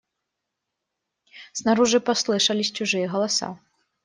Снаружи послышались чужие голоса.